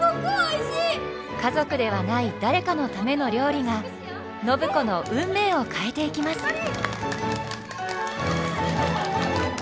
家族ではない誰かのための料理が暢子の運命を変えていきます！